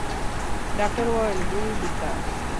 ډاکتر وويل ويې ليکه.